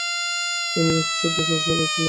তিনি রাজপ্রশস্তি রচনা করেছিলেন।